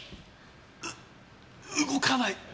う動かない！